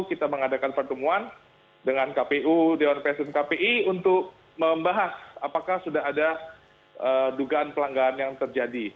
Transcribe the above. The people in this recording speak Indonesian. kita mengadakan pertemuan dengan kpu dewan person kpi untuk membahas apakah sudah ada dugaan pelanggaran yang terjadi